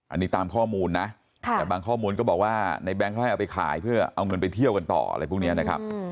อันนี้ตามข้อมูลนะแต่บางข้อมูลก็บอกว่าในแบงค์เขาให้เอาไปขายเพื่อเอาเงินไปเที่ยวกันต่ออะไรพวกนี้นะครับ